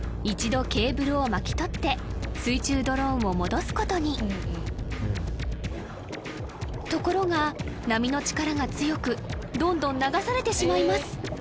一度ケーブルを巻き取って水中ドローンを戻すことにところが波の力が強くどんどん流されてしまいます